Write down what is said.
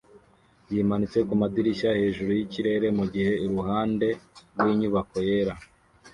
yimanitse kumadirishya hejuru yikirere mugihe iruhande rwinyubako yera